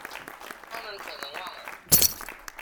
她們可能忘了